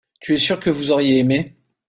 tu es sûr que vous auriez aimé.